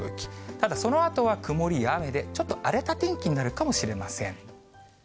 ただそのあとは曇りや雨で、ちょっと荒れた天気になるかもしれません。